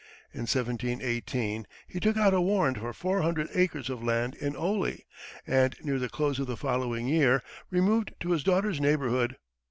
In 1718 he took out a warrant for four hundred acres of land in Oley, and near the close of the following year removed to his daughter's neighborhood.